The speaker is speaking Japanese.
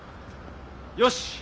よし！